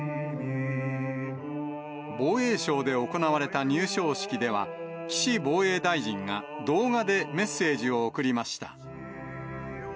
防衛省で行われた入省式では、岸防衛大臣が、動画でメッセージを送りました。